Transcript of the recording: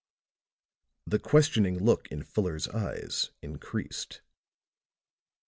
The questioning look in Fuller's eyes increased.